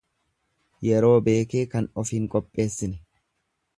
Yeroo beekee kan of hin qopheessine.